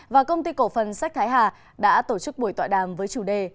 và công ty cổ phần sách thái hà đã tổ chức buổi tọa đàm với chủ đề